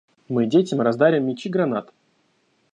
Мы детям раздарим мячи гранат.